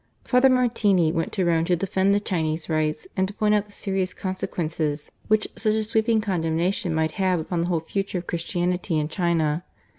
Father Martini went to Rome to defend the Chinese Rites, and to point out the serious consequences which such a sweeping condemnation might have upon the whole future of Christianity in China.